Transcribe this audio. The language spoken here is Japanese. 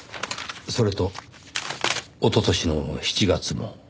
それとおととしの７月も。